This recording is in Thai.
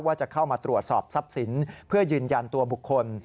ว่าจะเข้ามาตรวจสอบทรัพย์สินเพื่อยืนยันตัวบุคคล